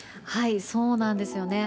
そうなんですよね。